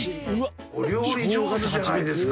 お料理上手じゃないですか。